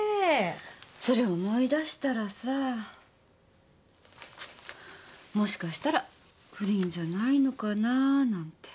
それ思い出したらさもしかしたら不倫じゃないのかななんて。